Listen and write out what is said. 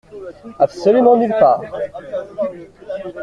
Absolument nulle part.